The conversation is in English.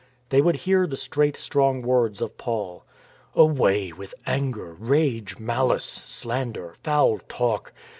They would hear the straight, strong words of Paul. " Away with anger, rage, malice, slander, foul talk.